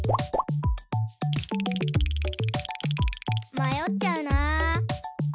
まよっちゃうな。